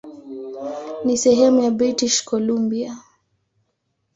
Ni sehemu ya British Columbia.